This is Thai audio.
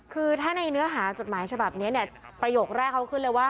คือถ้าในเนื้อหาจดหมายฉบับนี้เนี่ยประโยคแรกเขาขึ้นเลยว่า